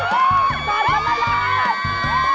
ราคาแพงกว่า๒๐บาทเท่านั้น